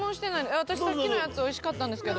私さっきのやつおいしかったんですけど。